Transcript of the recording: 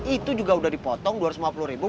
itu juga sudah dipotong dua ratus lima puluh ribu